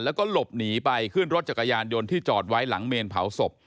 แล้วก็หลบหนีไปขึ้นรถจักรยานยนต์ที่จอดไว้หลังเมนเผาศพ